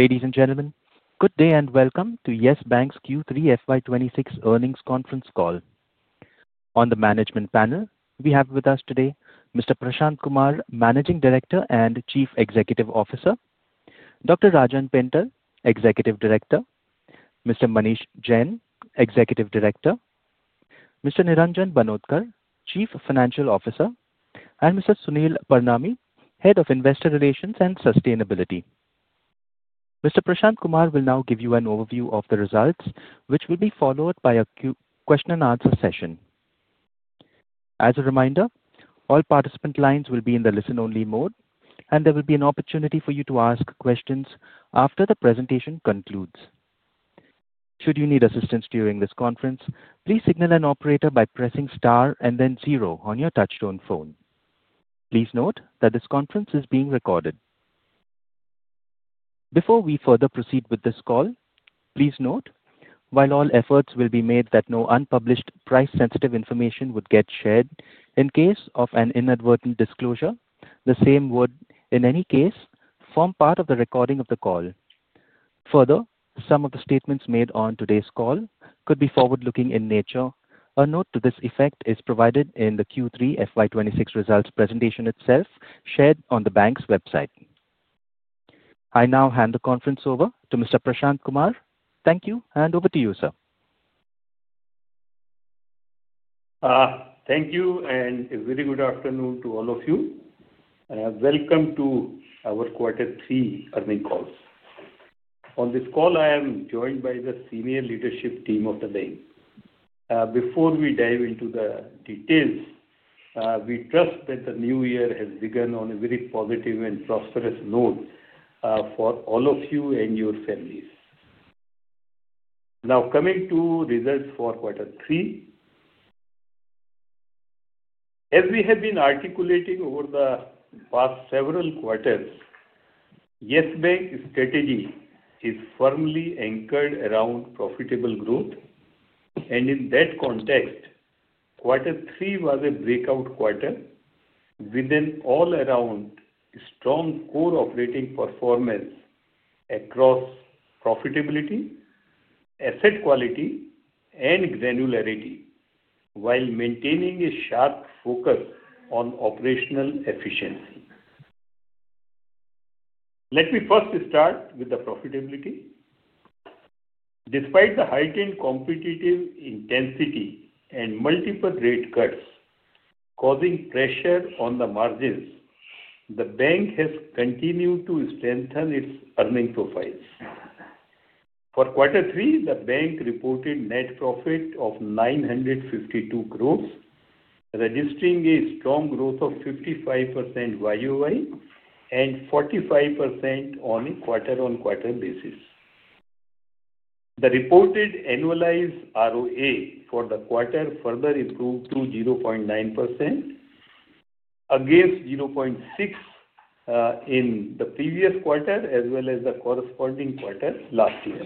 Ladies and gentlemen, good day and welcome to Yes Bank's Q3 FY 2026 Earnings Conference Call. On the management panel, we have with us today Mr. Prashant Kumar, Managing Director and Chief Executive Officer, Dr. Rajan Pental, Executive Director, Mr. Manish Jain, Executive Director, Mr. Niranjan Banodkar, Chief Financial Officer, and Mr. Sunil Parnami, Head of Investor Relations and Sustainability. Mr. Prashant Kumar will now give you an overview of the results, which will be followed by a question-and-answer session. As a reminder, all participant lines will be in the listen-only mode, and there will be an opportunity for you to ask questions after the presentation concludes. Should you need assistance during this conference, please signal an operator by pressing star and then zero on your touch-tone phone. Please note that this conference is being recorded. Before we further proceed with this call, please note, while all efforts will be made that no unpublished price-sensitive information would get shared in case of an inadvertent disclosure, the same would in any case form part of the recording of the call. Further, some of the statements made on today's call could be forward-looking in nature. A note to this effect is provided in the Q3 FY 2026 results presentation itself, shared on the bank's website. I now hand the conference over to Mr. Prashant Kumar. Thank you, and over to you, sir. Thank you, and a very good afternoon to all of you. Welcome to our quarter three earnings call. On this call, I am joined by the senior leadership team of the bank. Before we dive into the details, we trust that the new year has begun on a very positive and prosperous note for all of you and your families. Now, coming to results for quarter three, as we have been articulating over the past several quarters, Yes Bank's strategy is firmly anchored around profitable growth. And in that context, quarter three was a breakout quarter with an all-around strong core operating performance across profitability, asset quality, and granularity while maintaining a sharp focus on operational efficiency. Let me first start with the profitability. Despite the heightened competitive intensity and multiple rate cuts causing pressure on the margins, the bank has continued to strengthen its earning profiles. For quarter three, the bank reported net profit of 952 crores, registering a strong growth of 55% YoY and 45% on a quarter-on-quarter basis. The reported annualized ROA for the quarter further improved to 0.9% against 0.6% in the previous quarter as well as the corresponding quarter last year.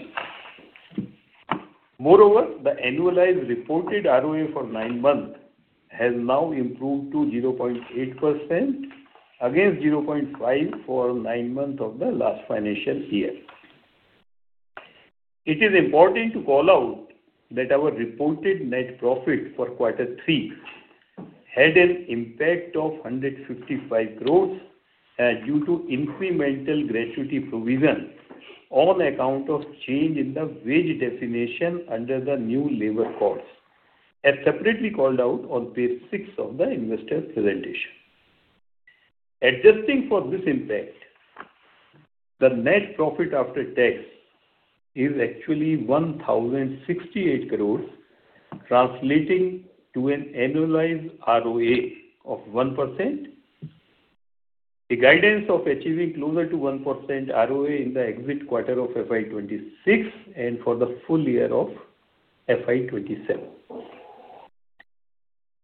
Moreover, the annualized reported ROA for nine months has now improved to 0.8% against 0.5% for nine months of the last financial year. It is important to call out that our reported net profit for quarter three had an impact of 155 crores due to incremental gratuity provision on account of change in the wage definition under the new labor codes, as separately called out on page six of the investor presentation. Adjusting for this impact, the net profit after tax is actually 1,068 crores, translating to an annualized ROA of 1%. The guidance of achieving closer to 1% ROA in the exit quarter of FY 2026 and for the full year of FY 2027.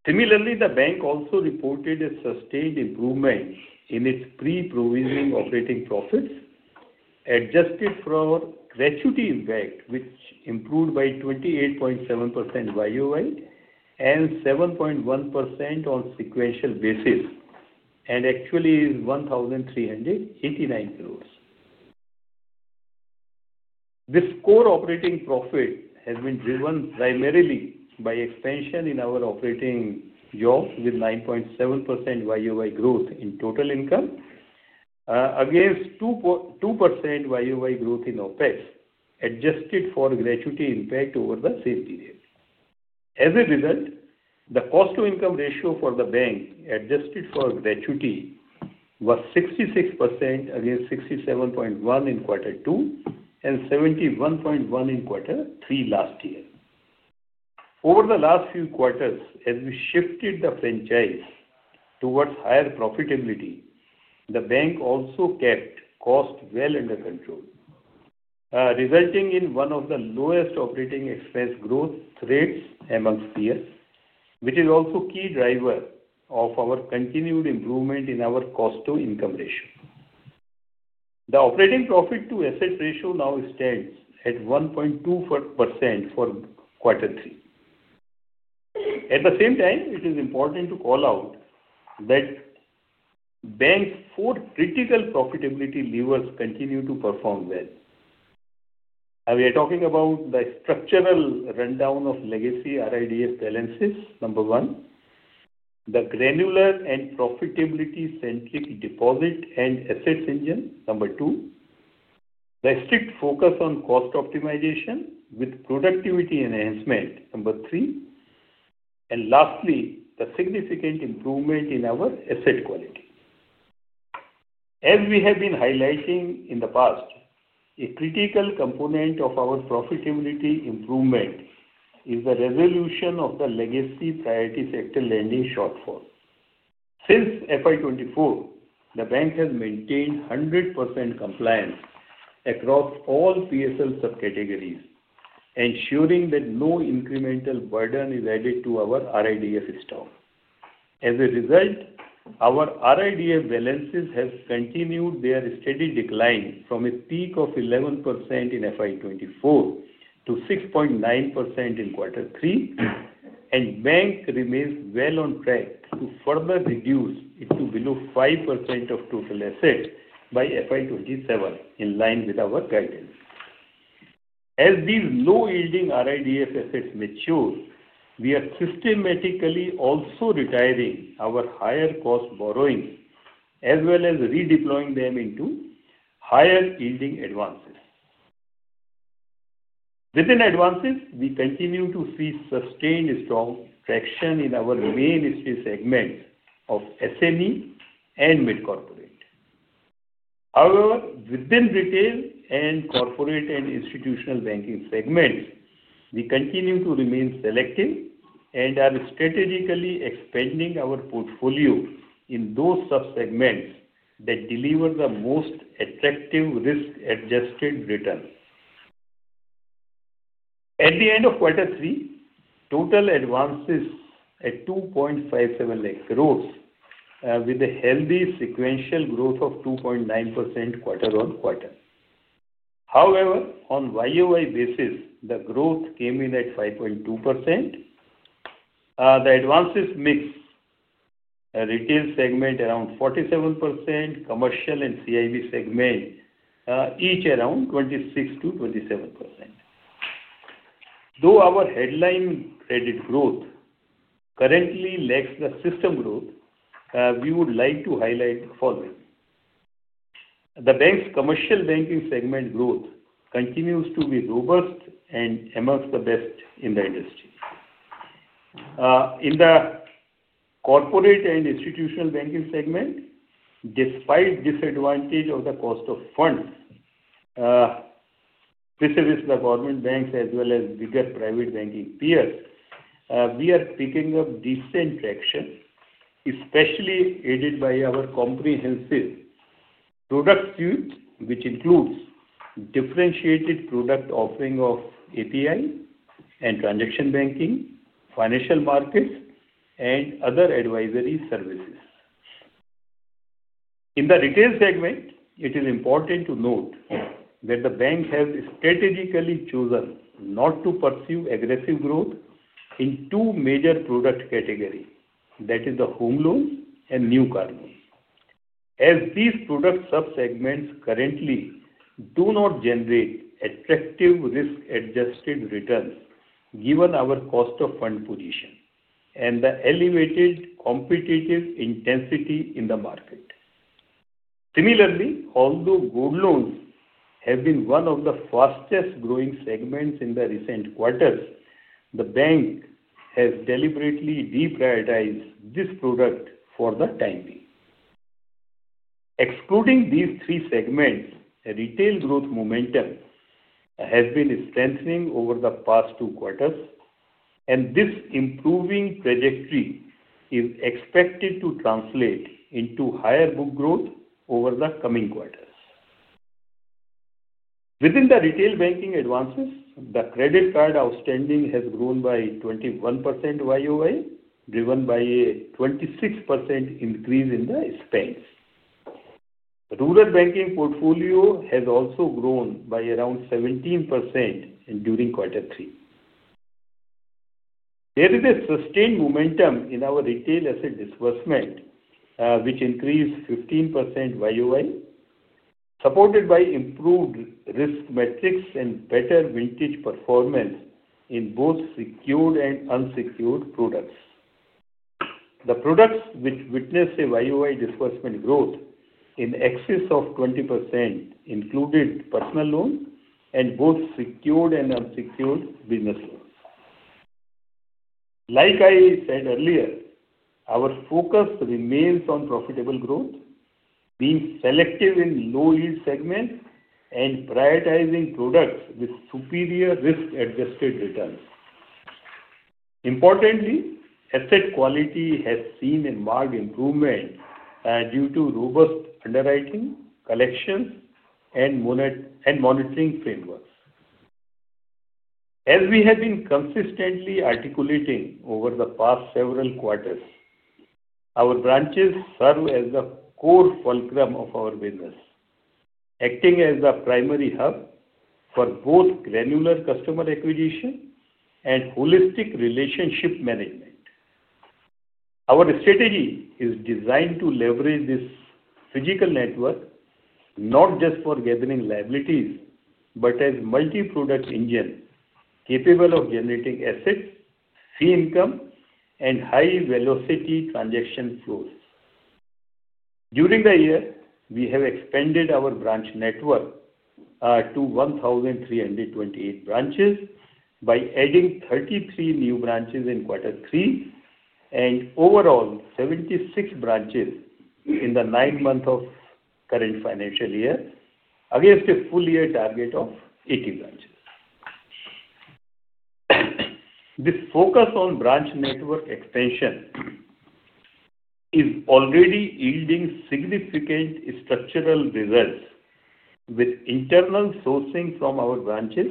Similarly, the bank also reported a sustained improvement in its pre-provisioning operating profits, adjusted for gratuity impact, which improved by 28.7% YoY and 7.1% on a sequential basis, and actually is 1,389 crores. This core operating profit has been driven primarily by expansion in our operating income with 9.7% YoY growth in total income against 2% YoY growth in OpEx, adjusted for gratuity impact over the same period. As a result, the cost-to-income ratio for the bank, adjusted for gratuity, was 66% against 67.1% in quarter two and 71.1% in quarter three last year. Over the last few quarters, as we shifted the franchise towards higher profitability, the bank also kept costs well under control, resulting in one of the lowest operating expense growth rates among peers, which is also a key driver of our continued improvement in our cost-to-income ratio. The operating profit-to-asset ratio now stands at 1.2% for quarter three. At the same time, it is important to call out that the bank's four critical profitability levers continue to perform well. We are talking about the structural rundown of legacy RIDF balances, number one, the granular and profitability-centric deposit and assets engine, number two, the strict focus on cost optimization with productivity enhancement, number three, and lastly, the significant improvement in our asset quality. As we have been highlighting in the past, a critical component of our profitability improvement is the resolution of the legacy priority sector lending shortfall. Since FY 2024, the bank has maintained 100% compliance across all PSL subcategories, ensuring that no incremental burden is added to our RIDF stock. As a result, our RIDF balances have continued their steady decline from a peak of 11% in FY 2024 to 6.9% in quarter three, and the bank remains well on track to further reduce it to below 5% of total assets by FY 2027 in line with our guidance. As these low-yielding RIDF assets mature, we are systematically also retiring our higher-cost borrowings as well as redeploying them into higher-yielding advances. Within advances, we continue to see sustained strong traction in our mainstay segment of SME and mid-corporate. However, within retail and corporate and institutional banking segments, we continue to remain selective and are strategically expanding our portfolio in those subsegments that deliver the most attractive risk-adjusted return. At the end of quarter three, total advances at 2.57 crores with a healthy sequential growth of 2.9% quarter-on-quarter. However, on YoY basis, the growth came in at 5.2%. The advances mix retail segment around 47%, commercial and CIB segment each around 26%-27%. Though our headline credit growth currently lacks the system growth, we would like to highlight the following. The bank's commercial banking segment growth continues to be robust and amongst the best in the industry. In the corporate and institutional banking segment, despite the disadvantage of the cost of funds, preferably the government banks as well as bigger private banking peers, we are picking up decent traction, especially aided by our comprehensive product suite, which includes differentiated product offering of API and transaction banking, financial markets, and other advisory services. In the retail segment, it is important to note that the bank has strategically chosen not to pursue aggressive growth in two major product categories, that is, the home loans and new car loans. As these product subsegments currently do not generate attractive risk-adjusted returns given our cost-of-funds position and the elevated competitive intensity in the market. Similarly, although gold loans have been one of the fastest-growing segments in the recent quarters, the bank has deliberately deprioritized this product for the time being. Excluding these three segments, retail growth momentum has been strengthening over the past two quarters, and this improving trajectory is expected to translate into higher book growth over the coming quarters. Within the retail banking advances, the credit card outstanding has grown by 21% YoY, driven by a 26% increase in the expense. Rural banking portfolio has also grown by around 17% during quarter three. There is a sustained momentum in our retail asset disbursement, which increased 15% YoY, supported by improved risk metrics and better vintage performance in both secured and unsecured products. The products which witnessed YoY disbursement growth in excess of 20% included personal loans and both secured and unsecured business loans. Like I said earlier, our focus remains on profitable growth, being selective in low-yield segments and prioritizing products with superior risk-adjusted returns. Importantly, asset quality has seen a marked improvement due to robust underwriting, collections, and monitoring frameworks. As we have been consistently articulating over the past several quarters, our branches serve as the core fulcrum of our business, acting as the primary hub for both granular customer acquisition and holistic relationship management. Our strategy is designed to leverage this physical network not just for gathering liabilities but as a multi-product engine capable of generating assets, fee income, and high-velocity transaction flows. During the year, we have expanded our branch network to 1,328 branches by adding 33 new branches in quarter three and overall 76 branches in the ninth month of the current financial year against a full-year target of 80 branches. The focus on branch network expansion is already yielding significant structural results, with internal sourcing from our branches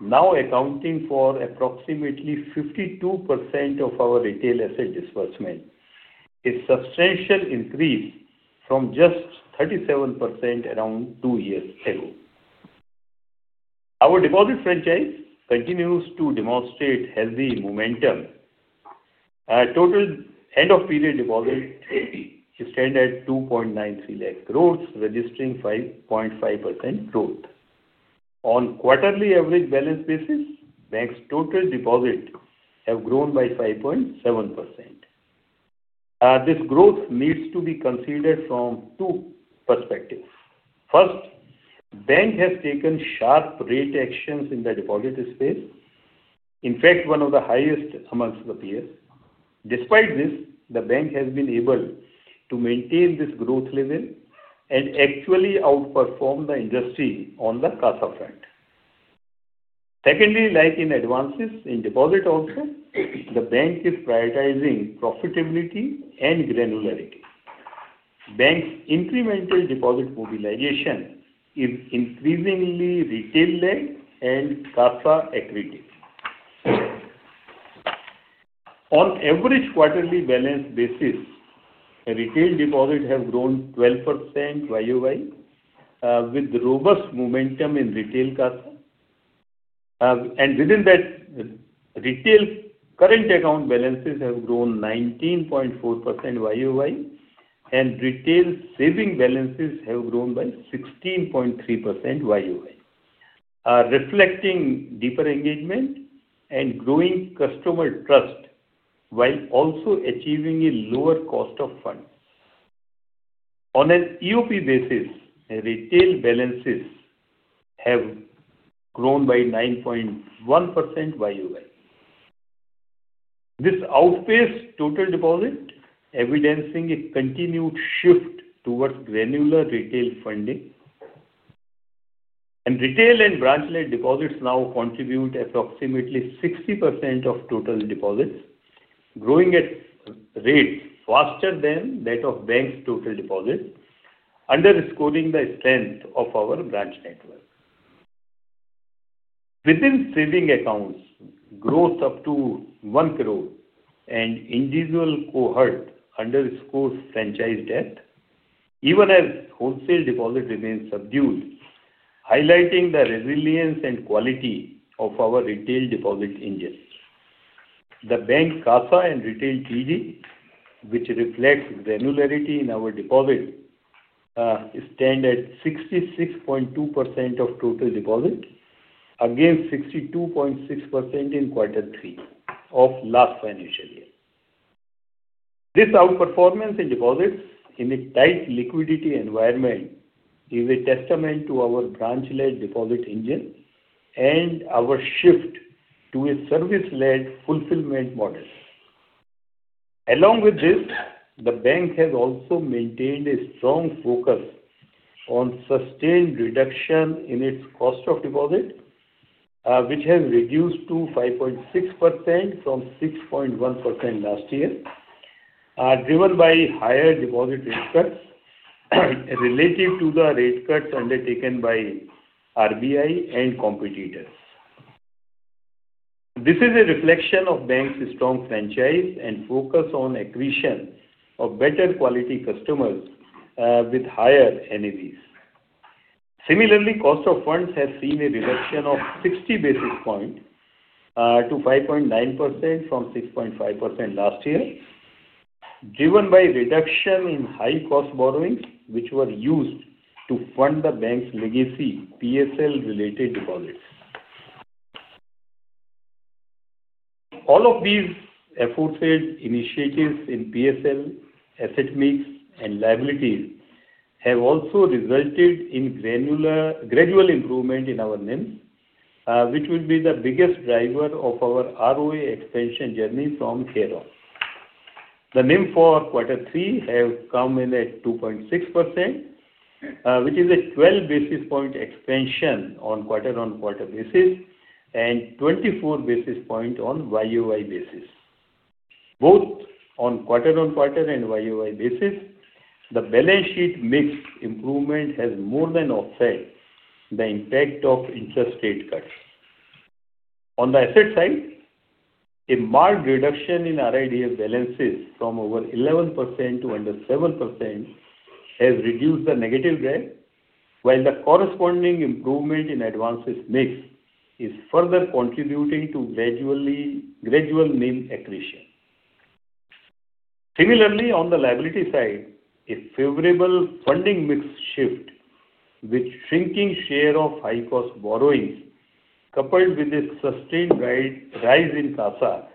now accounting for approximately 52% of our retail asset disbursement, a substantial increase from just 37% around two years ago. Our deposit franchise continues to demonstrate healthy momentum. Total end-of-period deposits stand at 2.93 crores, registering 5.5% growth. On quarterly average balance basis, bank's total deposits have grown by 5.7%. This growth needs to be considered from two perspectives. First, the bank has taken sharp rate actions in the deposit space, in fact, one of the highest among the peers. Despite this, the bank has been able to maintain this growth level and actually outperform the industry on the CASA front. Secondly, like in advances in deposit also, the bank is prioritizing profitability and granularity. The bank's incremental deposit mobilization is increasingly retail-led and CASA-accredited. On average quarterly balance basis, retail deposits have grown 12% YoY, with robust momentum in retail CASA, and within that, retail current account balances have grown 19.4% YoY, and retail saving balances have grown by 16.3% YoY, reflecting deeper engagement and growing customer trust while also achieving a lower cost of funds. On an EOP basis, retail balances have grown by 9.1% YoY. This outpaces total deposit, evidencing a continued shift towards granular retail funding. Retail and branch-led deposits now contribute approximately 60% of total deposits, growing at rates faster than that of the bank's total deposits, underscoring the strength of our branch network. Within savings accounts, growth up to 1 crore and individual cohort underscores franchise depth, even as wholesale deposits remain subdued, highlighting the resilience and quality of our retail deposit engine. The bank CASA and retail TD, which reflects granularity in our deposits, stand at 66.2% of total deposits against 62.6% in quarter three of last financial year. This outperformance in deposits in a tight liquidity environment is a testament to our branch-led deposit engine and our shift to a service-led fulfillment model. Along with this, the bank has also maintained a strong focus on sustained reduction in its cost of deposit, which has reduced to 5.6% from 6.1% last year, driven by higher deposit rate cuts related to the rate cuts undertaken by RBI and competitors. This is a reflection of the bank's strong franchise and focus on acquisition of better-quality customers with higher NAVs. Similarly, the cost of funds has seen a reduction of 60 basis points to 5.9% from 6.5% last year, driven by a reduction in high-cost borrowings, which were used to fund the bank's legacy PSL-related deposits. All of these efforts and initiatives in PSL, asset mix, and liabilities have also resulted in gradual improvement in our NIM, which will be the biggest driver of our ROA expansion journey from here on. The NIM for quarter three has come in at 2.6%, which is a 12 basis point expansion on quarter-on-quarter basis and 24 basis points on YoY basis. Both on quarter-on-quarter and YoY basis, the balance sheet mix improvement has more than offset the impact of interest rate cuts. On the asset side, a marked reduction in RIDF balances from over 11% to under 7% has reduced the negative gap, while the corresponding improvement in advances mix is further contributing to gradual NIM accretion. Similarly, on the liability side, a favorable funding mix shift, with a shrinking share of high-cost borrowings, coupled with a sustained rise in CASA,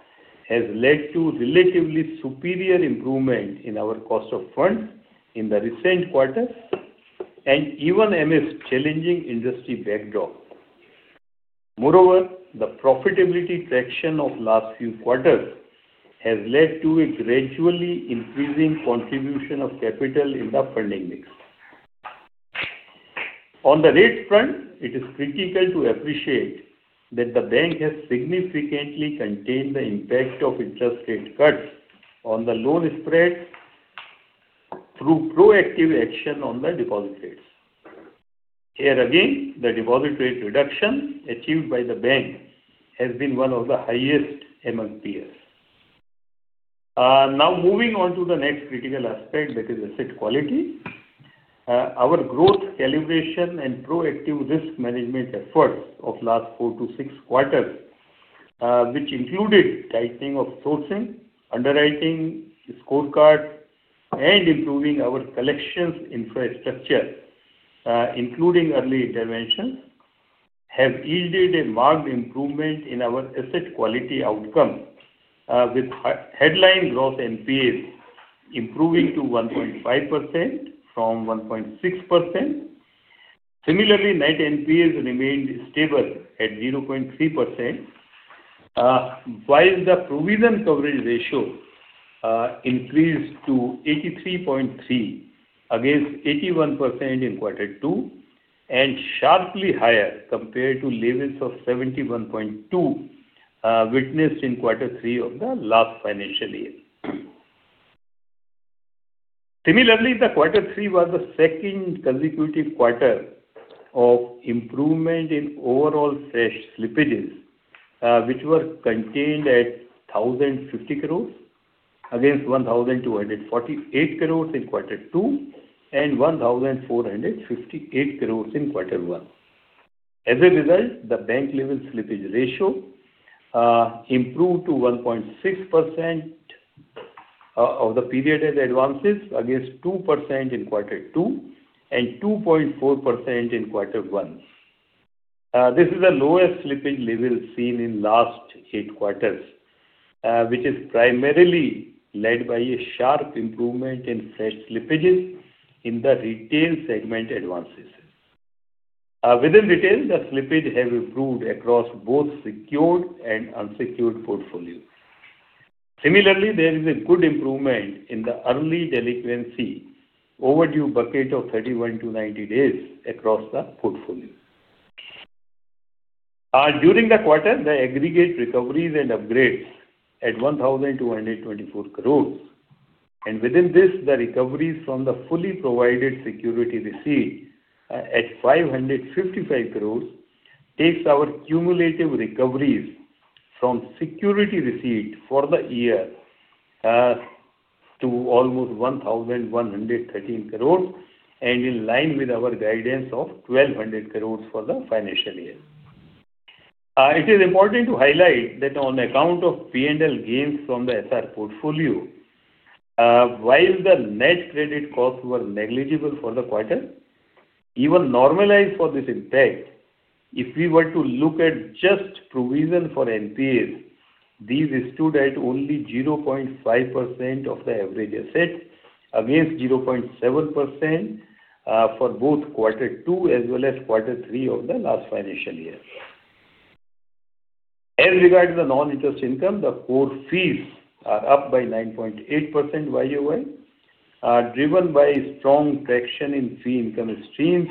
has led to relatively superior improvement in our cost of funds in the recent quarters and even amidst challenging industry backdrop. Moreover, the profitability traction of the last few quarters has led to a gradually increasing contribution of capital in the funding mix. On the rate front, it is critical to appreciate that the bank has significantly contained the impact of interest rate cuts on the loan spreads through proactive action on the deposit rates. Here again, the deposit rate reduction achieved by the bank has been one of the highest among peers. Now, moving on to the next critical aspect, that is asset quality. Our growth, calibration, and proactive risk management efforts of the last four to six quarters, which included tightening of sourcing, underwriting, scorecards, and improving our collections infrastructure, including early interventions, have yielded a marked improvement in our asset quality outcome, with headline gross NPAs improving to 1.5% from 1.6%. Similarly, net NPAs remained stable at 0.3%, while the provision coverage ratio increased to 83.3% against 81% in quarter two and sharply higher compared to levels of 71.2% witnessed in quarter three of the last financial year. Similarly, the quarter three was the second consecutive quarter of improvement in overall cash slippages, which were contained at 1,050 crores against 1,248 crores in quarter two and 1,458 crores in quarter one. As a result, the bank-level slippage ratio improved to 1.6% of the period-end advances against 2% in quarter two and 2.4% in quarter one. This is the lowest slippage level seen in the last eight quarters, which is primarily led by a sharp improvement in cash slippages in the retail segment advances. Within retail, the slippage has improved across both secured and unsecured portfolios. Similarly, there is a good improvement in the early delinquency overdue bucket of 31 to 90 days across the portfolio. During the quarter, the aggregate recoveries and upgrades were at 1,224 crores, and within this, the recoveries from the fully provided security receipt were at 555 crores, taking our cumulative recoveries from security receipt for the year to almost 1,113 crores and in line with our guidance of 1,200 crores for the financial year. It is important to highlight that on account of P&L gains from the SR portfolio, while the net credit costs were negligible for the quarter, even normalized for this impact, if we were to look at just provision for NPAs, these stood at only 0.5% of the average asset against 0.7% for both quarter two as well as quarter three of the last financial year. As regards to the non-interest income, the core fees are up by 9.8% YoY, driven by strong traction in fee income streams,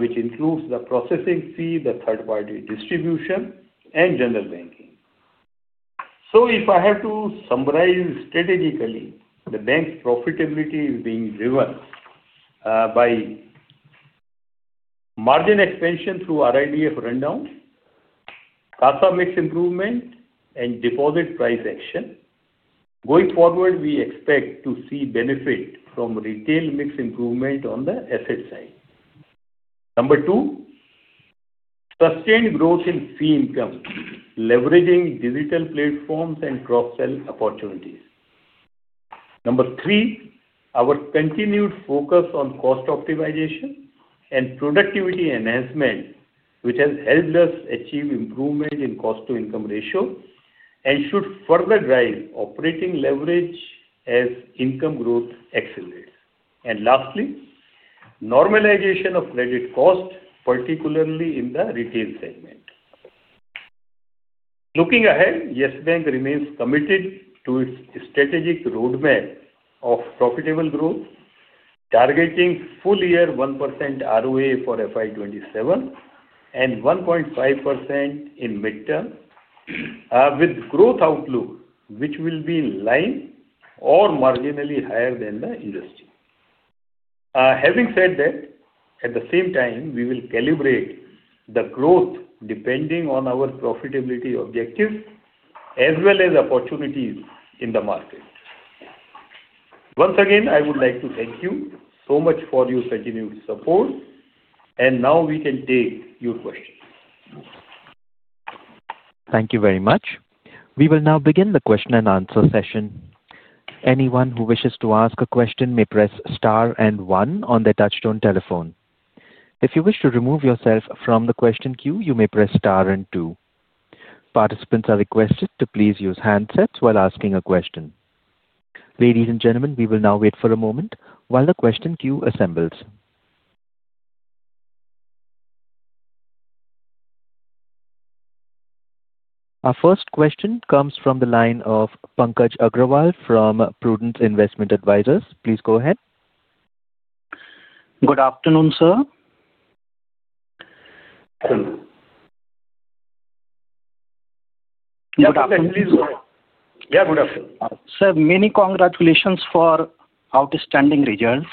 which includes the processing fee, the third-party distribution, and general banking. So, if I have to summarize strategically, the bank's profitability is being driven by margin expansion through RIDF rundown, CASA mix improvement, and deposit price action. Going forward, we expect to see benefit from retail mix improvement on the asset side. Number two, sustained growth in fee income, leveraging digital platforms and cross-sell opportunities. Number three, our continued focus on cost optimization and productivity enhancement, which has helped us achieve improvement in cost-to-income ratio and should further drive operating leverage as income growth accelerates. And lastly, normalization of credit cost, particularly in the retail segment. Looking ahead, Yes Bank remains committed to its strategic roadmap of profitable growth, targeting full-year 1% ROA for FY 2027 and 1.5% in midterm, with growth outlook which will be in line or marginally higher than the industry. Having said that, at the same time, we will calibrate the growth depending on our profitability objectives as well as opportunities in the market. Once again, I would like to thank you so much for your continued support, and now we can take your questions. Thank you very much. We will now begin the question and answer session. Anyone who wishes to ask a question may press star and one on their touch-tone telephone. If you wish to remove yourself from the question queue, you may press star and two. Participants are requested to please use handsets while asking a question. Ladies and gentlemen, we will now wait for a moment while the question queue assembles. Our first question comes from the line of Pankaj Agrawal from Prudence Investment Advisors. Please go ahead. Good afternoon, sir. Good afternoon. Yeah, good afternoon. Sir, many congratulations for outstanding results.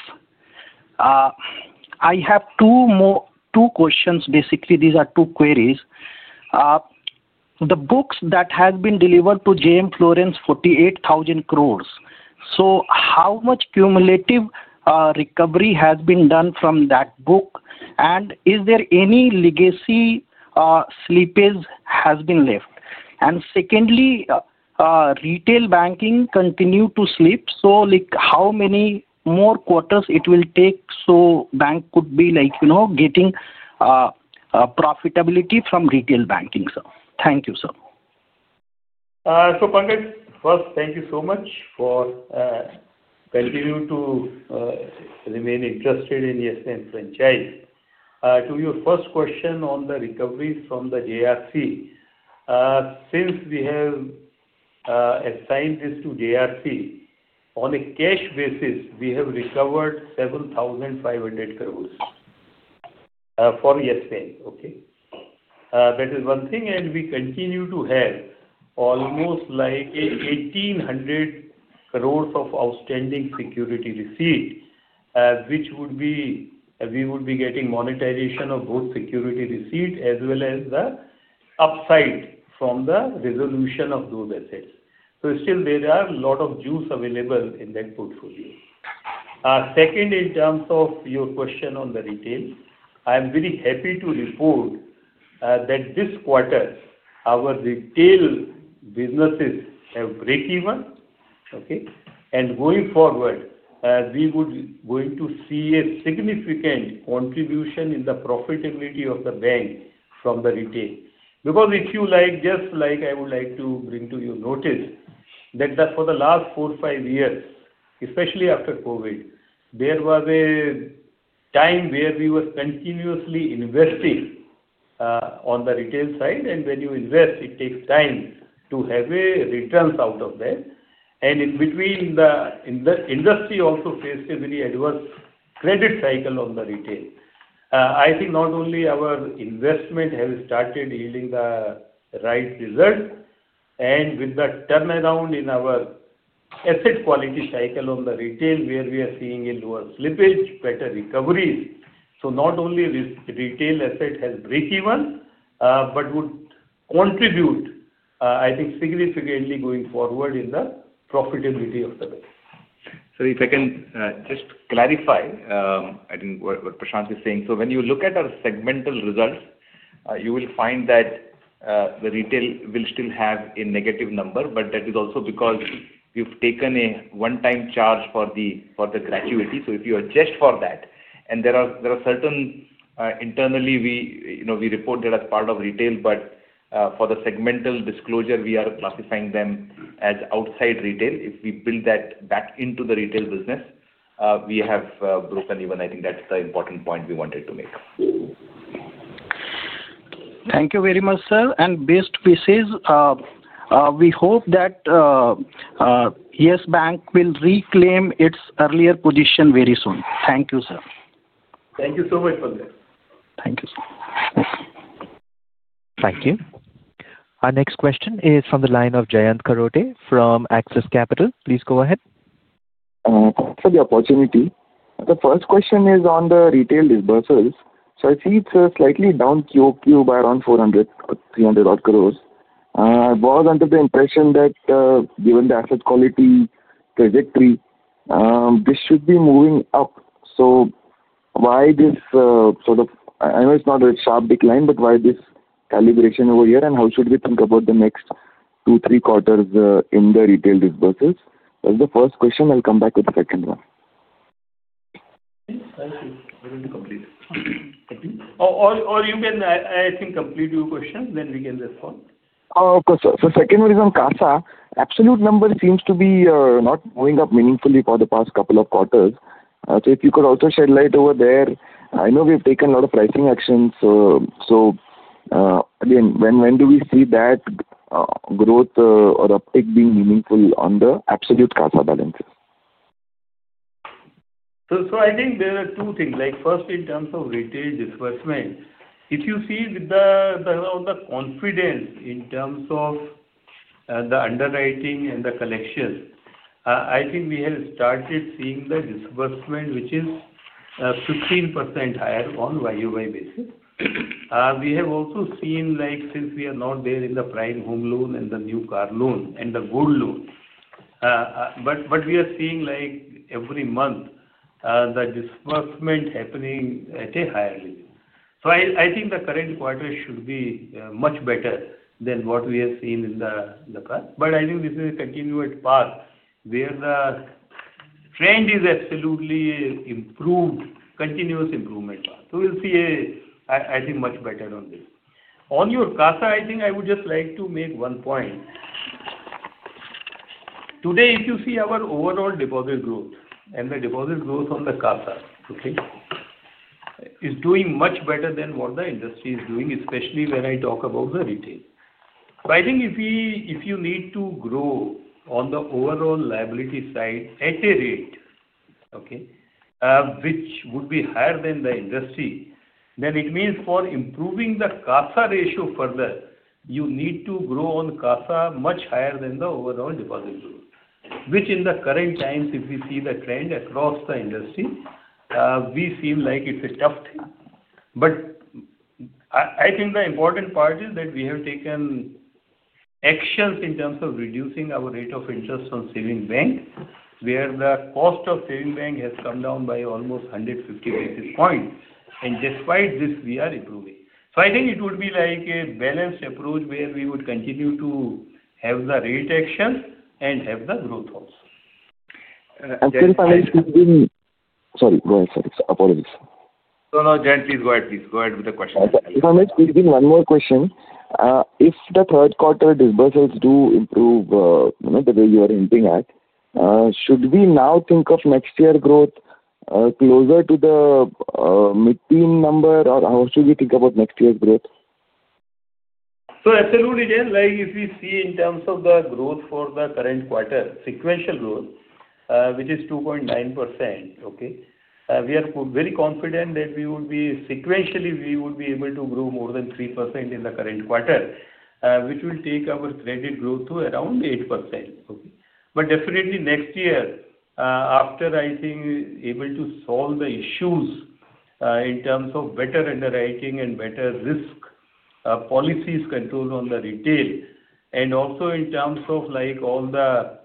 I have two questions. Basically, these are two queries. The books that have been delivered to JM Florence, 48,000 crores. So how much cumulative recovery has been done from that book? And is there any legacy slippage that has been left? And secondly, retail banking continues to slip. So how many more quarters will it take so the bank could be getting profitability from retail banking? Thank you, sir. So Pankaj, first, thank you so much for continuing to remain interested in Yes Bank franchise. To your first question on the recovery from the JRC, since we have assigned this to JRC, on a cash basis, we have recovered 7,500 crores for Yes Bank. Okay? That is one thing. And we continue to have almost like 1,800 crores of outstanding security receipt, which would be getting monetization of both security receipt as well as the upside from the resolution of those assets. So still, there are a lot of juice available in that portfolio. Second, in terms of your question on the retail, I am very happy to report that this quarter, our retail businesses have breakeven. Okay? And going forward, we are going to see a significant contribution in the profitability of the bank from the retail. Because if you like, just like I would like to bring to your notice that for the last four, five years, especially after COVID, there was a time where we were continuously investing on the retail side. And when you invest, it takes time to have returns out of that. And in between, the industry also faced a very adverse credit cycle on the retail. I think not only our investment has started yielding the right results, and with the turnaround in our asset quality cycle on the retail, where we are seeing a lower slippage, better recoveries. So not only retail asset has breakeven, but would contribute, I think, significantly going forward in the profitability of the bank. So if I can just clarify, I think what Prashant is saying. So when you look at our segmental results, you will find that the retail will still have a negative number, but that is also because we've taken a one-time charge for the gratuity. So if you adjust for that, and there are certain internally, we report that as part of retail, but for the segmental disclosure, we are classifying them as outside retail. If we build that back into the retail business, we have broken even. I think that's the important point we wanted to make. Thank you very much, sir. And best wishes. We hope that Yes Bank will reclaim its earlier position very soon. Thank you, sir. Thank you so much for that. Thank you, sir. Thank you. Our next question is from the line of Jayanth Karote from Axis Capital. Please go ahead. Thanks for the opportunity. The first question is on the retail disbursals. So I see it's slightly down QoQ by around 400 crores or INR 300crores. I was under the impression that given the asset quality trajectory, this should be moving up. So why this sort of, I know it's not a sharp decline, but why this calibration over here, and how should we think about the next two, three quarters in the retail disbursals? That's the first question. I'll come back with the second one. Thank you. I want to complete. Or you can, I think, complete your question, then we can respond. Of course. So second one is on CASA. Absolute number seems to be not moving up meaningfully for the past couple of quarters. So if you could also shed light over there, I know we've taken a lot of pricing actions. So again, when do we see that growth or uptick being meaningful on the absolute CASA balances? So I think there are two things. First, in terms of retail disbursement, if you see with the confidence in terms of the underwriting and the collection, I think we have started seeing the disbursement, which is 15% higher on YoY basis. We have also seen, since we are not there in the prime home loan and the new car loan and the gold loan, but we are seeing every month the disbursement happening at a higher level. So I think the current quarter should be much better than what we have seen in the past. But I think this is a continued path where the trend is absolutely improved, continuous improvement path. So we'll see, I think, much better on this. On your CASA, I think I would just like to make one point. Today, if you see our overall deposit growth and the deposit growth on the CASA, okay, is doing much better than what the industry is doing, especially when I talk about the retail. So I think if you need to grow on the overall liability side at a rate, okay, which would be higher than the industry, then it means for improving the CASA ratio further, you need to grow on CASA much higher than the overall deposit growth, which in the current times, if we see the trend across the industry, we feel like it's a tough thing. But I think the important part is that we have taken actions in terms of reducing our rate of interest on savings bank, where the cost of savings bank has come down by almost 150 basis points, and despite this, we are improving. So I think it would be like a balanced approach where we would continue to have the rate action and have the growth also. And since I've been sorry, go ahead. Sorry. Apologies. No, no. Jayanth, please go ahead. Please go ahead with the question. If I may, please give me one more question. If the third-quarter disbursals do improve the way you are hinting at, should we now think of next year's growth closer to the mid-teen number, or how should we think about next year's growth? So absolutely, Jayanth, if we see in terms of the growth for the current quarter, sequential growth, which is 2.9%, okay, we are very confident that we would be sequentially, we would be able to grow more than 3% in the current quarter, which will take our credit growth to around 8%. Okay? But definitely next year, after I think we are able to solve the issues in terms of better underwriting and better risk policies controlled on the retail, and also in terms of all the,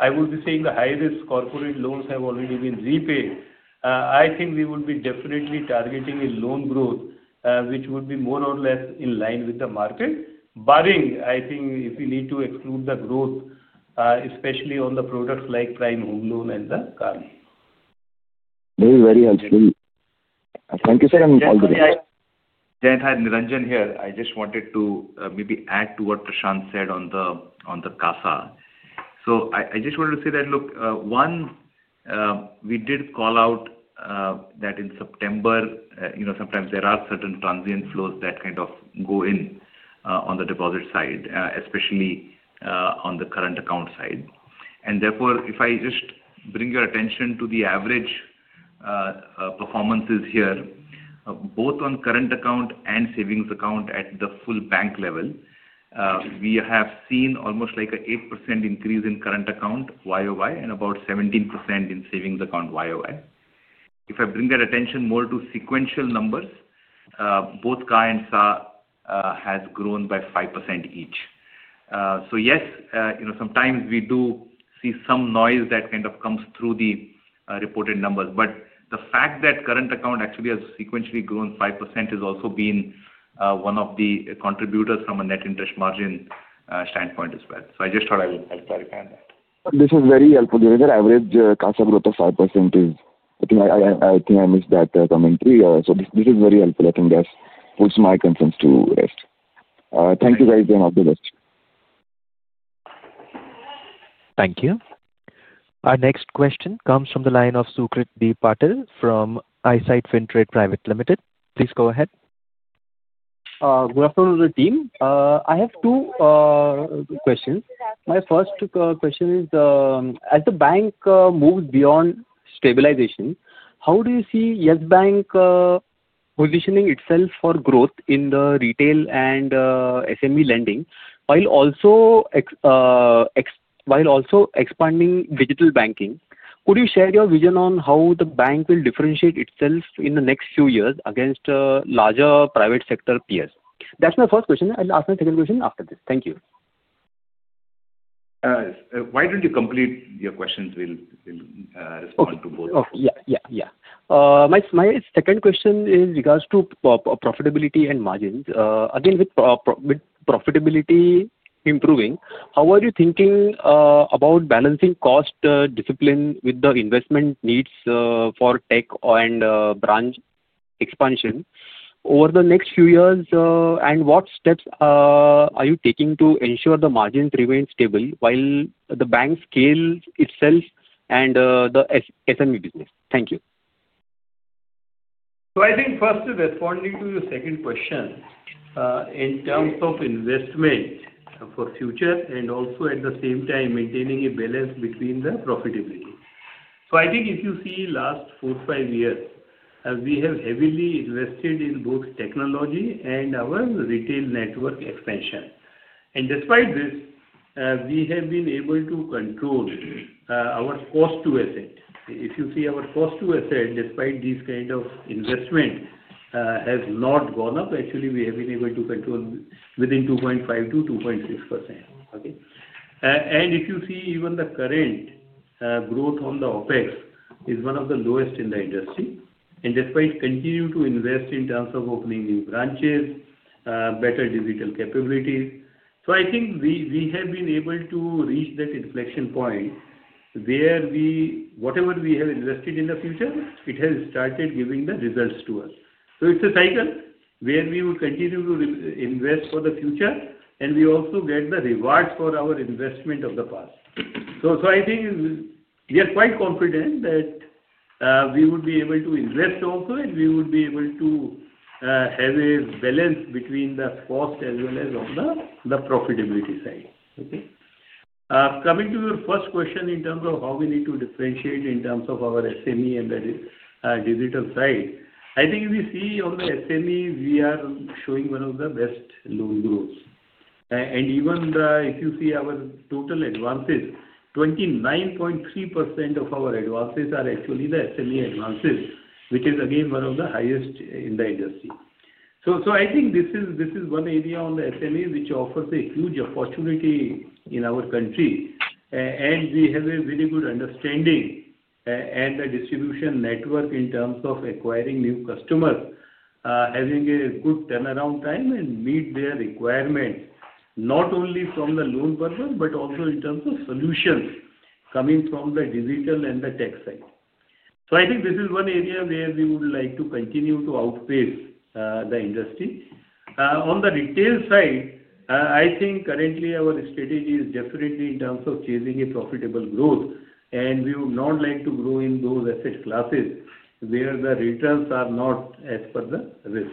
I would be saying, the high-risk corporate loans have already been repaid, I think we would be definitely targeting a loan growth, which would be more or less in line with the market, barring, I think, if we need to exclude the growth, especially on the products like prime home loan and the car loan. Very, very helpful. Thank you, sir. And all the best. Jayanth, I have Niranjan here. I just wanted to maybe add to what Prashant said on the CASA. So I just wanted to say that, look, one, we did call out that in September, sometimes there are certain transient flows that kind of go in on the deposit side, especially on the current account side. And therefore, if I just bring your attention to the average performances here, both on current account and savings account at the full bank level, we have seen almost like an 8% increase in current account YoY and about 17% in savings account YoY. If I bring that attention more to sequential numbers, both CASA and SAA have grown by 5% each. So yes, sometimes we do see some noise that kind of comes through the reported numbers. But the fact that current account actually has sequentially grown 5% has also been one of the contributors from a net interest margin standpoint as well. So I just thought I would clarify on that. This is very helpful. The average CASA growth of 5% is, I think I missed that commentary. So this is very helpful. I think that puts my concerns to rest. Thank you, guys. You're not the best. Thank you. Our next question comes from the line of Sukrit D. Patil from Eyesight Fintrade Private Limited. Please go ahead. Good afternoon, team. I have two questions. My first question is, as the bank moves beyond stabilization, how do you see Yes Bank positioning itself for growth in the retail and SME lending while also expanding digital banking? Could you share your vision on how the bank will differentiate itself in the next few years against larger private sector peers? That's my first question. I'll ask my second question after this. Thank you. Why don't you complete your questions? We'll respond to both. Yeah. Yeah. Yeah. My second question is in regards to profitability and margins. Again, with profitability improving, how are you thinking about balancing cost discipline with the investment needs for tech and branch expansion over the next few years, and what steps are you taking to ensure the margins remain stable while the bank scales itself and the SME business? Thank you. So I think first responding to your second question in terms of investment for future and also at the same time maintaining a balance between the profitability. So I think if you see last four, five years, we have heavily invested in both technology and our retail network expansion. And despite this, we have been able to control our cost-to-asset. If you see our cost-to-asset, despite this kind of investment, has not gone up. Actually, we have been able to control within 2.5%-2.6%. Okay? If you see even the current growth on the OpEx is one of the lowest in the industry. Despite continuing to invest in terms of opening new branches, better digital capabilities, so I think we have been able to reach that inflection point where whatever we have invested in the future, it has started giving the results to us. It's a cycle where we would continue to invest for the future, and we also get the rewards for our investment of the past. I think we are quite confident that we would be able to invest also, and we would be able to have a balance between the cost as well as on the profitability side. Okay? Coming to your first question in terms of how we need to differentiate in terms of our SME and that is digital side, I think if you see on the SME, we are showing one of the best loan growths. And even if you see our total advances, 29.3% of our advances are actually the SME advances, which is again one of the highest in the industry. So I think this is one area on the SME which offers a huge opportunity in our country. And we have a very good understanding and a distribution network in terms of acquiring new customers, having a good turnaround time, and meet their requirements, not only from the loan purpose, but also in terms of solutions coming from the digital and the tech side. So I think this is one area where we would like to continue to outpace the industry. On the retail side, I think currently our strategy is definitely in terms of chasing a profitable growth, and we would not like to grow in those asset classes where the returns are not as per the risk.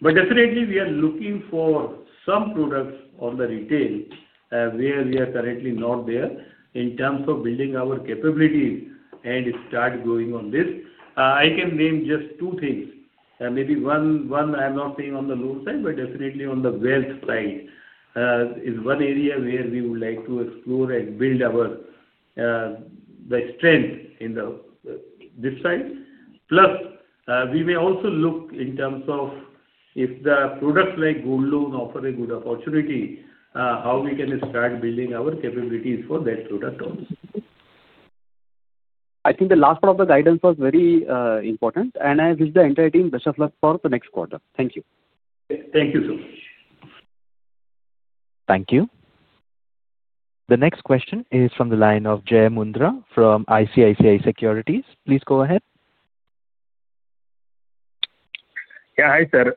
But definitely, we are looking for some products on the retail where we are currently not there in terms of building our capabilities and start growing on this. I can name just two things. Maybe one I'm not seeing on the loan side, but definitely on the wealth side is one area where we would like to explore and build our strength in this side. Plus, we may also look in terms of if the products like gold loan offer a good opportunity, how we can start building our capabilities for that product also. I think the last part of the guidance was very important, and I wish the entire team best of luck for the next quarter. Thank you. Thank you so much. Thank you. The next question is from the line of Jai Mundhra from ICICI Securities. Please go ahead. Yeah. Hi, sir.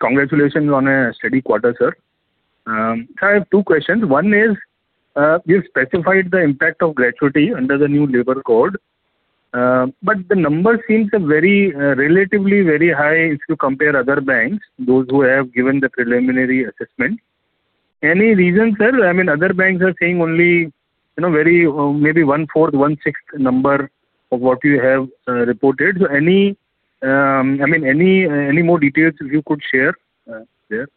Congratulations on a steady quarter, sir. I have two questions. One is, you've specified the impact of gratuity under the new labor code, but the number seems relatively very high if you compare other banks, those who have given the preliminary assessment. Any reason, sir? I mean, other banks are saying only maybe 1/4, 1/6 number of what you have reported. So I mean, any more details you could share there?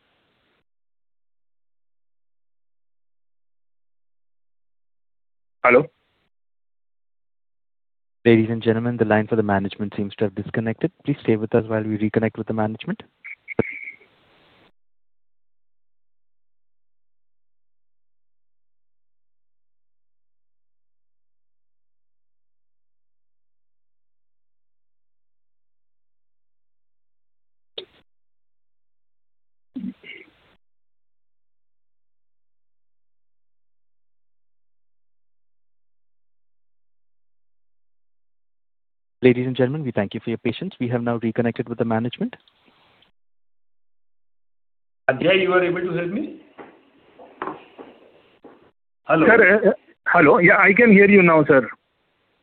Hello? Ladies and gentlemen, the line for the management seems to have disconnected. Please stay with us while we reconnect with the management. Ladies and gentlemen, we thank you for your patience. We have now reconnected with the management. And Jayanth, you were able to hear me? Hello? Sir, hello. Yeah, I can hear you now, sir.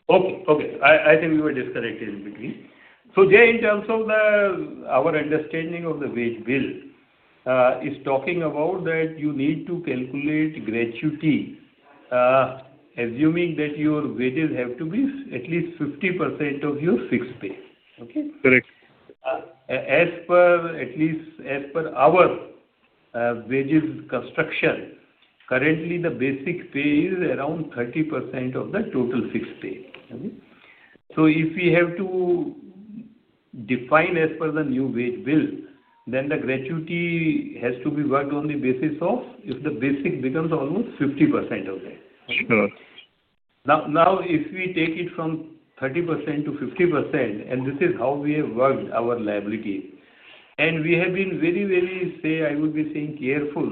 Okay. Okay. I think we were disconnected in between. So Jayanth, in terms of our understanding of the wage bill, is talking about that you need to calculate gratuity, assuming that your wages have to be at least 50% of your fixed pay. Okay? Correct. As per our wages construction, currently the basic pay is around 30% of the total fixed pay. Okay? So if we have to define as per the new wage bill, then the gratuity has to be worked on the basis of if the basic becomes almost 50% of that. Sure. Now, if we take it from 30% to 50%, and this is how we have worked our liability, and we have been very, very, say, I would be saying, careful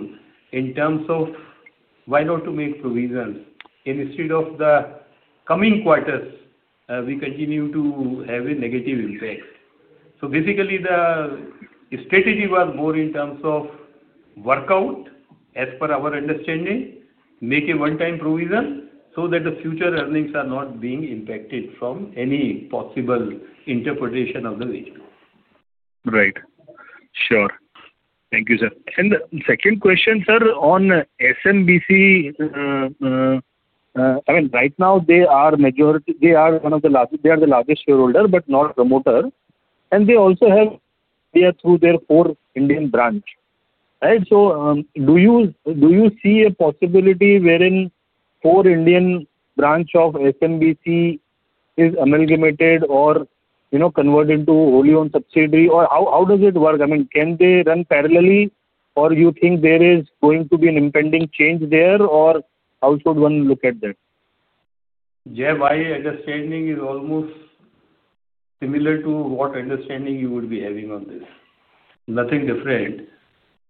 in terms of why not to make provisions, instead of the coming quarters, we continue to have a negative impact. So basically, the strategy was more in terms of work out, as per our understanding, make a one-time provision so that the future earnings are not being impacted from any possible interpretation of the wage bill. Right. Sure. Thank you, sir. And the second question, sir, on SMBC, I mean, right now, they are one of the largest shareholders, but not promoters. And they also have their four Indian branches. Right? So do you see a possibility wherein four Indian branches of SMBC is amalgamated or converted into only one subsidiary? Or how does it work? I mean, can they run parallelly, or do you think there is going to be an impending change there, or how should one look at that? Jayanth, my understanding is almost similar to what understanding you would be having on this. Nothing different.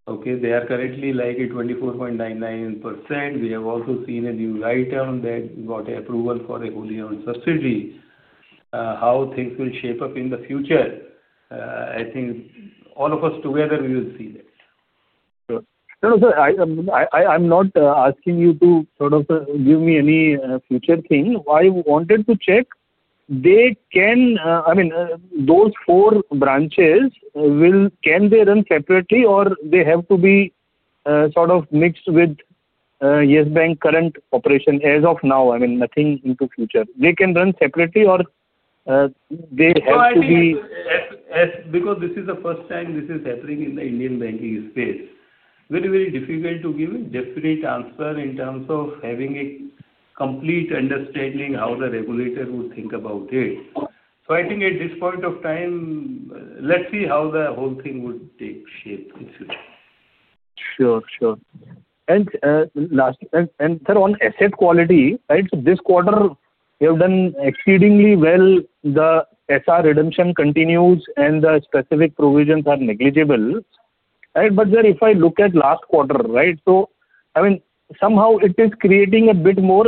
Okay? They are currently like a 24.99%. We have also seen a new write-up that got approval for a wholly-owned subsidiary. How things will shape up in the future, I think all of us together, we will see that. Sure. No, no, sir. I'm not asking you to sort of give me any future thing. I wanted to check. I mean, those four branches, can they run separately, or they have to be sort of mixed with Yes Bank's current operation as of now? I mean, nothing into future. They can run separately, or they have to be? Because this is the first time this is happening in the Indian banking space, very, very difficult to give a definite answer in terms of having a complete understanding how the regulator would think about it. So I think at this point of time, let's see how the whole thing would take shape in future. Sure. Sure. And sir, on asset quality, right, this quarter, you have done exceedingly well. The SR redemption continues, and the specific provisions are negligible. Right? But sir, if I look at last quarter, right, so I mean, somehow it is creating a bit more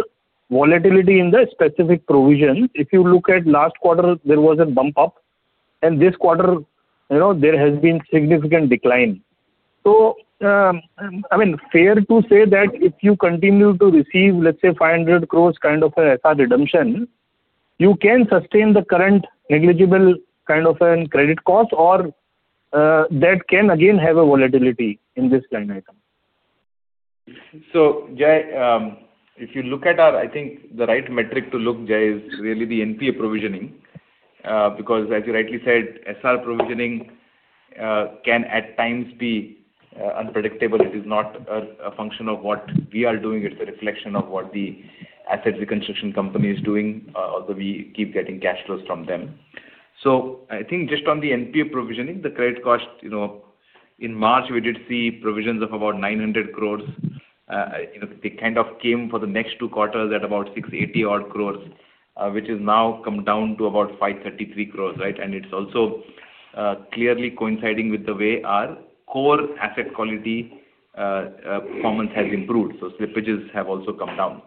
volatility in the specific provisions. If you look at last quarter, there was a bump up, and this quarter, there has been significant decline. So I mean, fair to say that if you continue to receive, let's say, 500 crores kind of an SR redemption, you can sustain the current negligible kind of a credit cost, or that can again have a volatility in this line item. So Jayanth, if you look at our, I think the right metric to look, Jayanth, is really the NPA provisioning. Because as you rightly said, SR provisioning can at times be unpredictable. It is not a function of what we are doing. It's a reflection of what the asset reconstruction company is doing, although we keep getting cash flows from them. So I think just on the NPA provisioning, the credit cost, in March, we did see provisions of about 900 crores. They kind of came for the next two quarters at about 680 odd crores, which has now come down to about 533 crores, right? And it's also clearly coinciding with the way our core asset quality performance has improved. So slippages have also come down.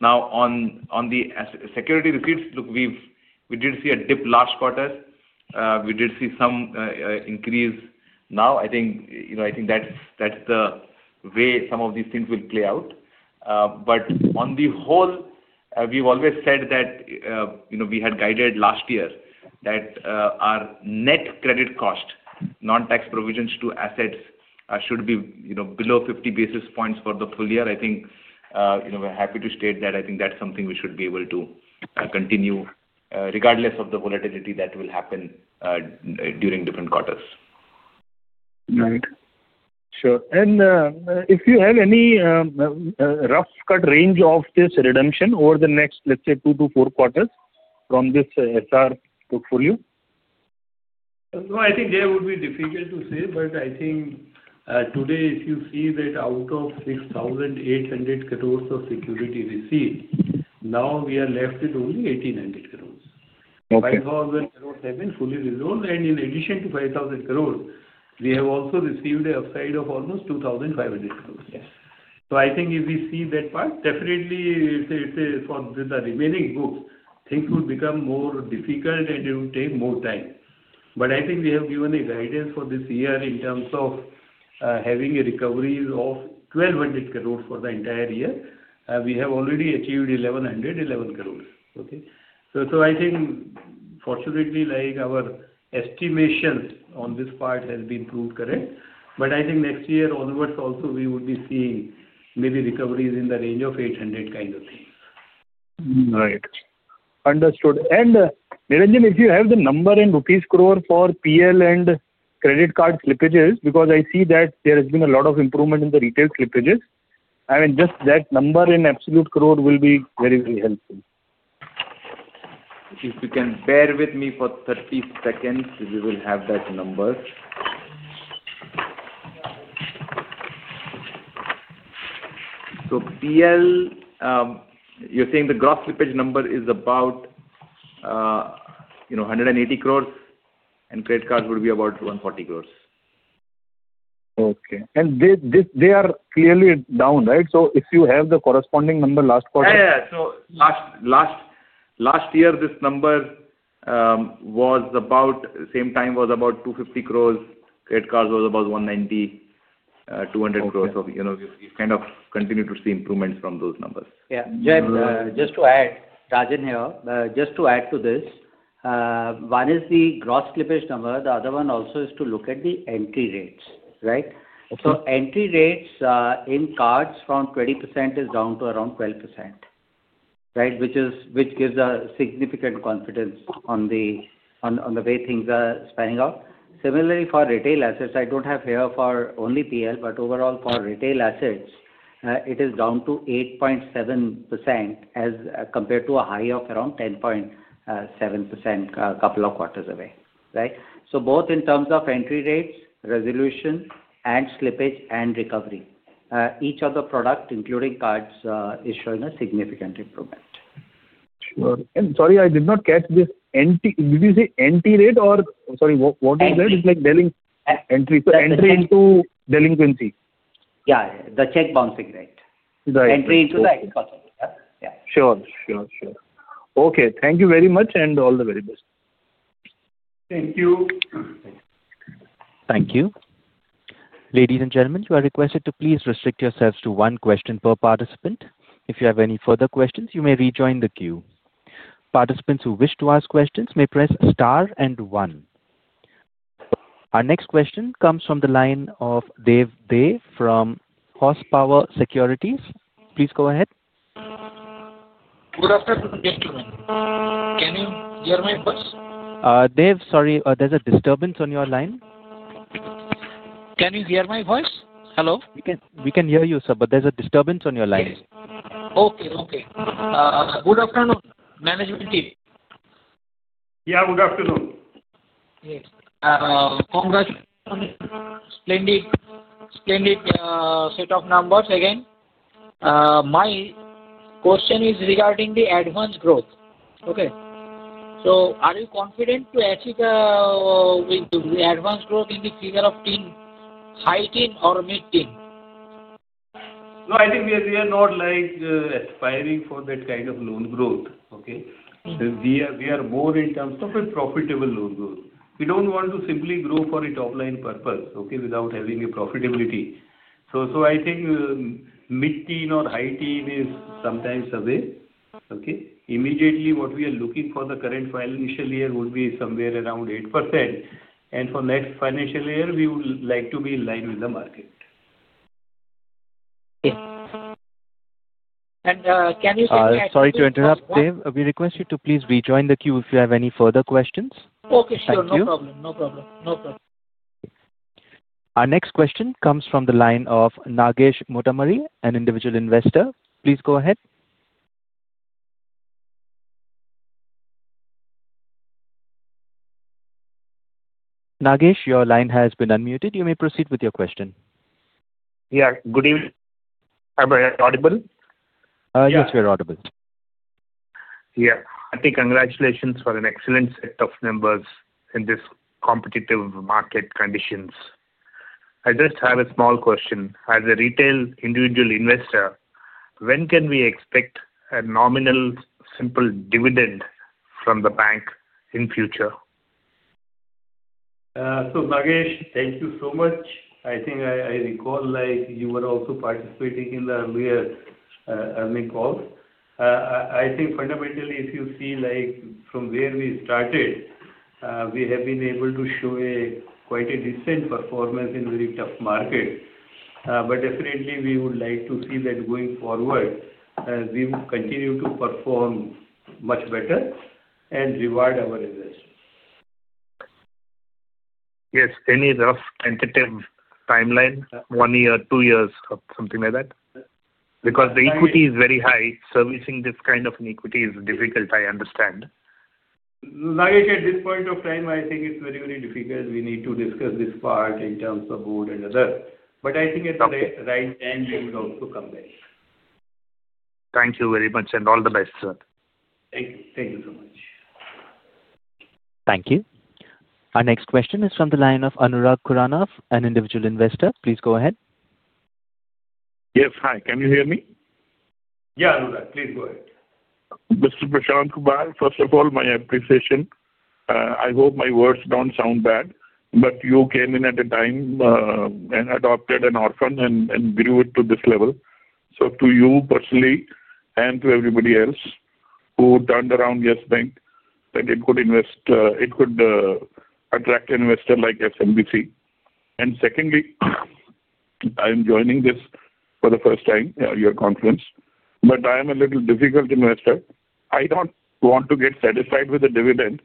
Now, on the security receipts, we did see a dip last quarter. We did see some increase. Now, I think that's the way some of these things will play out. But on the whole, we've always said that we had guided last year that our net credit cost, non-tax provisions to assets, should be below 50 basis points for the full year. I think we're happy to state that. I think that's something we should be able to continue regardless of the volatility that will happen during different quarters. Right. Sure. And if you have any rough cut range of this redemption over the next, let's say, two to four quarters from this SR portfolio? No, I think there would be difficult to say, but I think today, if you see that out of 6,800 crores of security receipts, now we are left with only 1,800 crores. 5,000 crores have been fully resolved. And in addition to 5,000 crores, we have also received a side of almost 2,500 crores. So I think if we see that part, definitely, with the remaining books, things would become more difficult, and it would take more time. But I think we have given a guidance for this year in terms of having a recovery of 1,200 crores for the entire year. We have already achieved 1,100, 11 crores. Okay? So I think, fortunately, our estimation on this part has been proved correct. But I think next year onwards also, we would be seeing maybe recoveries in the range of 800 kind of things. Right. Understood. Niranjan, if you have the number in rupees crores for PL and credit card slippages, because I see that there has been a lot of improvement in the retail slippages. I mean, just that number in absolute crore will be very, very helpful. If you can bear with me for 30 seconds, we will have that number. So PL, you're saying the gross slippage number is about 180 crores, and credit cards would be about 140 crores. Okay. And they are clearly down, right? So if you have the corresponding number last quarter? Yeah. Yeah. So last year, this number was about same time was about 250 crores. Credit cards was about 190 crores- 200 crores. So you kind of continue to see improvements from those numbers. Yeah. Just to add, Rajan here, just to add to this, one is the gross slippage number. The other one also is to look at the entry rates, right? So entry rates in cards from 20% is down to around 12%, right, which gives a significant confidence on the way things are panning out. Similarly, for retail assets, I don't have here for only PL, but overall for retail assets, it is down to 8.7% as compared to a high of around 10.7% a couple of quarters away, right? So both in terms of entry rates, resolution, and slippage and recovery, each of the products, including cards, is showing a significant improvement. Sure. And sorry, I did not catch this. Did you say entry rate or sorry, what you said is like entry into delinquency? Yeah. The check-bouncing rate. Entry into the exposure. Yeah. Sure. Sure. Sure. Okay. Thank you very much and all the very best. Thank you. Thank you. Ladies and gentlemen, you are requested to please restrict yourselves to one question per participant. If you have any further questions, you may rejoin the queue. Participants who wish to ask questions may press star and one. Our next question comes from the line of Dave Day from HorsePower Securities. Please go ahead. Good afternoon, gentlemen. Can you hear my voice? Dave, sorry, there's a disturbance on your line. Can you hear my voice? Hello? We can hear you, sir, but there's a disturbance on your line. Okay. Okay. Good afternoon, management team. Yeah. Good afternoon. Yes. Congratulations on the splendid set of numbers again. My question is regarding the advance growth. Okay? So are you confident to achieve the advance growth in the figure of high teen or mid teen? No, I think we are not aspiring for that kind of loan growth. Okay? We are more in terms of a profitable loan growth. We don't want to simply grow for a top-line purpose without having a profitability. So I think mid teen or high teen is sometimes a way. Okay? Immediately, what we are looking for the current financial year would be somewhere around 8%. And for next financial year, we would like to be in line with the market. And can you say that? Sorry to interrupt, Dave. We request you to please rejoin the queue if you have any further questions. Okay. Sure. No problem. No problem. No problem. Our next question comes from the line of Nagesh Motamarri, an individual investor. Please go ahead. Nagesh, your line has been unmuted. You may proceed with your question. Yeah. Good evening. Am I audible? Yes, we're audible. Yeah. I think congratulations for an excellent set of numbers in this competitive market conditions. I just have a small question. As a retail individual investor, when can we expect a nominal simple dividend from the bank in future? So Nagesh, thank you so much. I think I recall you were also participating in the earlier earnings call. I think fundamentally, if you see from where we started, we have been able to show quite a decent performance in a very tough market. But definitely, we would like to see that going forward. We will continue to perform much better and reward our investors. Yes. Any rough tentative timeline? One year, two years, something like that? Because the equity is very high. Servicing this kind of an equity is difficult, I understand. Right at this point of time, I think it's very, very difficult. We need to discuss this part in terms of board and others. But I think at the right time, we will also come back. Thank you very much and all the best, sir. Thank you. Thank you so much. Thank you. Our next question is from the line of Anurag Kuranov, an individual investor. Please go ahead. Yes. Hi. Can you hear me? Yeah, Anurag. Please go ahead. Mr. Prashant Kumar, first of all, my appreciation. I hope my words don't sound bad, but you came in at a time and adopted an orphan and grew it to this level. So to you personally and to everybody else who turned around Yes Bank, that it could attract investors like SMBC. And secondly, I'm joining this for the first time, your conference, but I am a little difficult investor. I don't want to get satisfied with the dividend,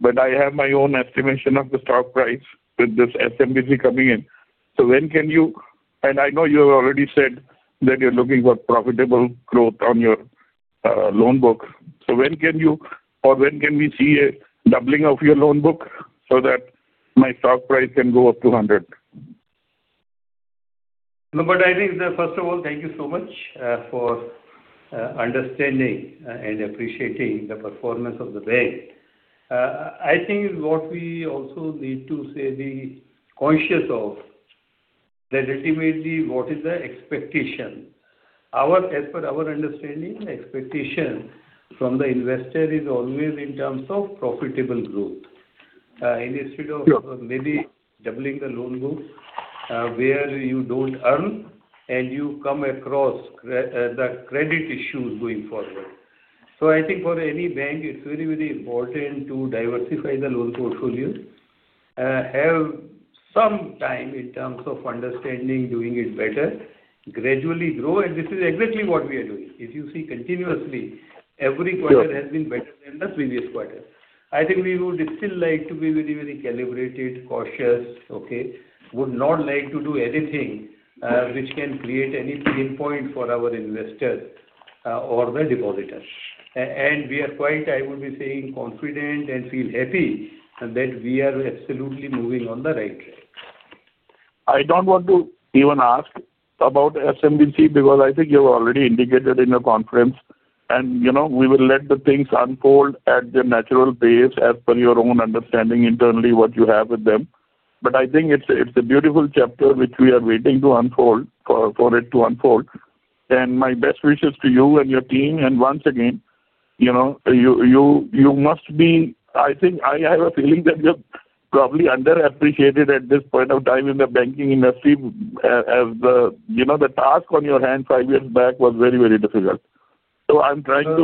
but I have my own estimation of the stock price with this SMBC coming in. So when can you, and I know you have already said that you're looking for profitable growth on your loan book. So when can you, or when can we see a doubling of your loan book so that my stock price can go up to 100 croces? No, but I think, first of all, thank you so much for understanding and appreciating the performance of the bank. I think what we also need to say be conscious of that ultimately, what is the expectation? As per our understanding, the expectation from the investor is always in terms of profitable growth. Instead of maybe doubling the loan book where you don't earn and you come across the credit issues going forward. So I think for any bank, it's very, very important to diversify the loan portfolio, have some time in terms of understanding, doing it better, gradually grow. and this is exactly what we are doing. If you see continuously, every quarter has been better than the previous quarter. I think we would still like to be very, very calibrated, cautious, okay? Would not like to do anything which can create any pain point for our investors or the depositors. And we are quite, I would be saying, confident and feel happy that we are absolutely moving on the right track. I don't want to even ask about SMBC because I think you've already indicated in your conference, and we will let the things unfold at their natural pace as per your own understanding internally what you have with them. But I think it's a beautiful chapter which we are waiting for it to unfold. And my best wishes to you and your team. And once again, you must be, I think I have a feeling that you're probably underappreciated at this point of time in the banking industry as the task on your hands five years back was very, very difficult. So I'm trying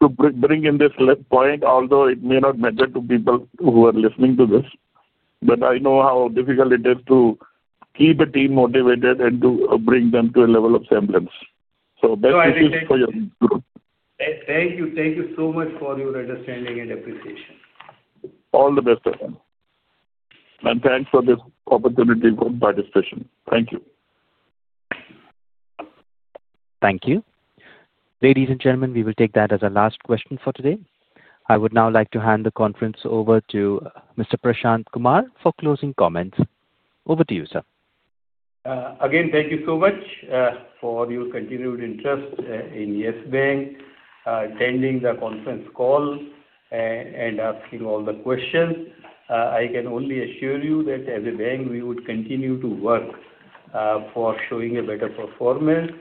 to bring in this point, although it may not matter to people who are listening to this. But I know how difficult it is to keep a team motivated and to bring them to a level of semblance. So best wishes for your group. Thank you. Thank you so much for your understanding and appreciation. All the best, sir. And thanks for this opportunity for participation. Thank you. Thank you. Ladies and gentlemen, we will take that as our last question for today. I would now like to hand the conference over to Mr. Prashant Kumar for closing comments. Over to you, sir. Again, thank you so much for your continued interest in Yes Bank, attending the conference call, and asking all the questions. I can only assure you that as a bank, we would continue to work for showing a better performance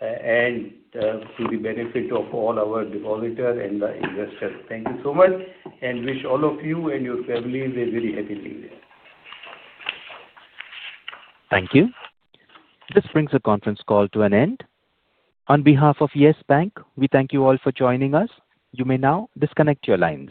and to the benefit of all our depositors and the investors. Thank you so much and wish all of you and your family a very happy New Year. Thank you. This brings the conference call to an end. On behalf of Yes Bank, we thank you all for joining us. You may now disconnect your lines.